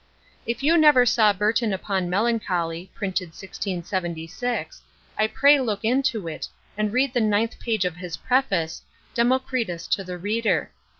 If you never saw BURTON UPON MELANCHOLY, printed 1676, I pray look into it, and read the ninth page of his Preface, 'Democritus to the Reader.'